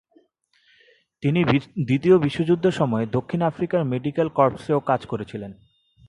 তিনি দ্বিতীয় বিশ্বযুদ্ধের সময় দক্ষিণ আফ্রিকার মেডিকেল কর্পসেও কাজ করেছিলেন।